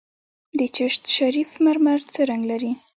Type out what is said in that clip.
د چشت شریف مرمر څه رنګ لري؟